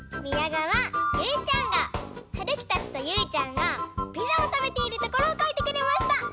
みやがわゆいちゃんがはるきたちとゆいちゃんがピザをたべているところをかいてくれました！